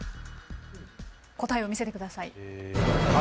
答えを見せてください。